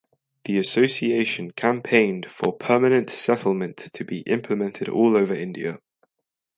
The association campaigned for Permanent Settlement to be implemented all over India.